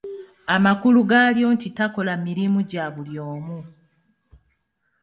Amakulu gaalyo nti takola mirimu gya buli omu.